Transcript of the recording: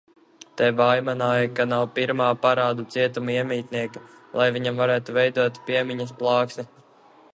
Te vaimanāja, ka nav pirmā parādu cietuma iemītnieka, lai viņam varētu veidot piemiņas plāksni.